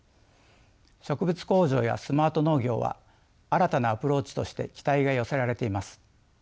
植物工場やスマート農業は新たなアプローチとして期待が寄せられています。